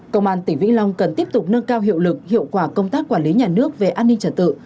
công an tỉnh vĩnh long cần tiếp tục nâng cao hiệu lực hiệu quả công tác quản lý nhà nước về an ninh trật tự